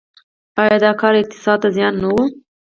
آیا دا کار اقتصاد ته زیان و؟